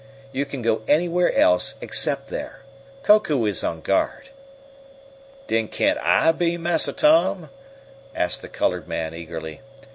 You can go anywhere else except there. Koku is on guard." "Den can't I be, Massa Tom?" asked the colored man eagerly.